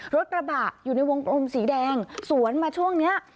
รถกระบะอยู่ในวงกลมสีแดงสวนมาช่วงนี้